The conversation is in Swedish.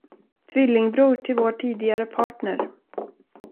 Tvillingbror till vår tidigare partner.